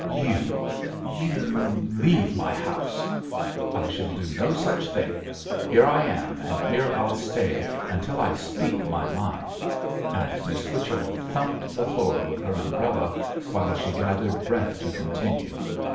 'You you leave my house.' 'I shall do no such thing. Here I am, and here I'll stay until I speak my mind,' and Miss Whichello thumped the floor with her umbrella, while she gathered breath to continue.